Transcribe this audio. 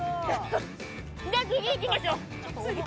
じゃ、次行きましょ。